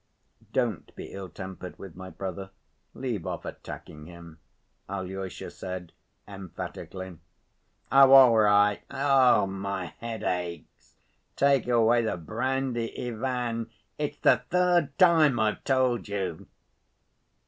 "Don't be ill‐tempered with my brother. Leave off attacking him," Alyosha said emphatically. "Oh, all right. Ugh, my head aches. Take away the brandy, Ivan. It's the third time I've told you."